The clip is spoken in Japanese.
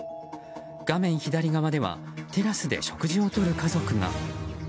画面左側ではテラスで食事をとる家族が。